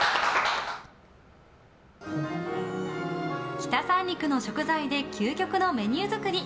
北三陸の食材で究極のメニュー作り。